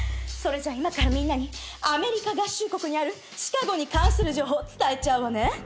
それじゃあ今からみんなにアメリカ合衆国にあるシカゴに関する情報伝えちゃうわね。